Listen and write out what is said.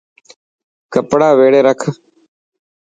ڪپڙا ويڙي رک.